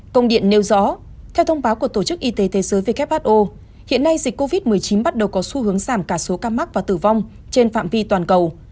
công điện nêu rõ theo thông báo của tổ chức y tế thế giới who hiện nay dịch covid một mươi chín bắt đầu có xu hướng giảm cả số ca mắc và tử vong trên phạm vi toàn cầu